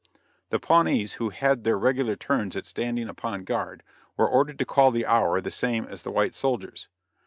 The Pawnees, who had their regular turns at standing upon guard, were ordered to call the hour the same as the white soldiers.